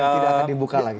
tidak dibuka lagi